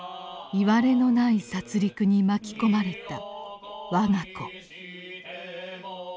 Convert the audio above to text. いわれのない殺りくに巻き込まれた我が子。